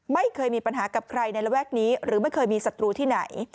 ไม่เคยมีปัญหากับใครในระแวกนี้หรือไม่เคยมีศัตรูที่ไหน